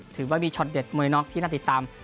ถือว่ามีช็อตเด็ดมวยน็อกที่น่าติดตาม